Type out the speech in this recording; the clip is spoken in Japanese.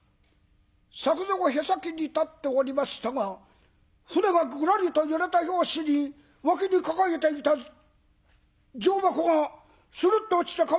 作蔵はへさきに立っておりましたが船がぐらりと揺れた拍子に脇に抱えていた状箱がするっと落ちて川の中へ。